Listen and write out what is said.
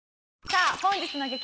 さあ本日の激